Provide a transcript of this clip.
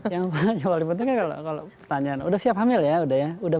yang paling penting kalau pertanyaan udah siap hamil ya udah ya